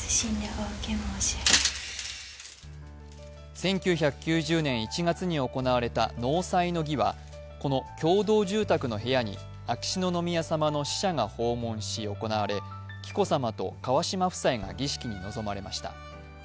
１９９０年１月に行われた納采の儀はこの共同住宅の部屋に秋篠宮さまの使者が訪問して行われ紀子さまと川嶋夫妻が儀式に臨まれました。